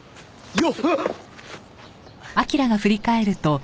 よっ。